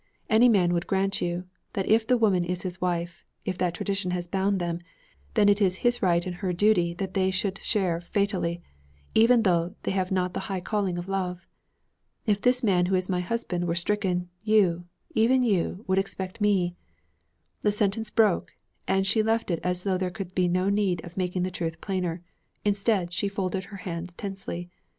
And any man would grant you, that if the woman is his wife, if that tradition has bound them, then it is his right and her duty that they should share fatality, even though they have not the high calling of love. If this man who is my husband were stricken, you, even you, would expect me ' The sentence broke and she left it as though there could be no need of making the truth plainer. Instead, she folded her hands tensely.